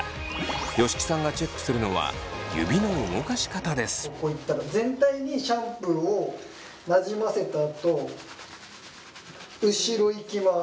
吉木さんがチェックするのは全体にシャンプーをなじませたあと後ろいきます。